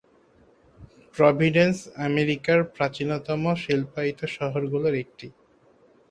Providence আমেরিকার প্রাচীনতম শিল্পায়িত শহরগুলোর একটি।